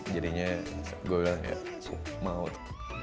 jadinya gue bilang ya mau tuh